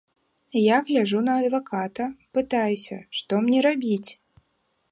Я гляджу на адваката, пытаюся, што мне рабіць?